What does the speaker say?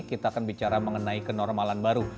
kita akan bicara mengenai kenormalan baru